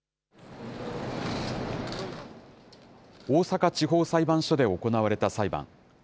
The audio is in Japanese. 大阪地方裁判所で行われた裁判。